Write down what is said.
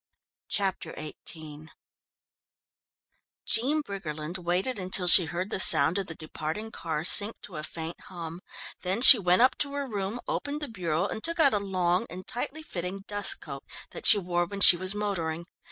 Chapter XVIII Jean Briggerland waited until she heard the sound of the departing car sink to a faint hum, then she went up to her room, opened the bureau and took out a long and tightly fitting dust coat that she wore when she was motoring.